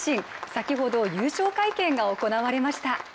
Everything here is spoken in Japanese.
先ほど優勝会見が行われました。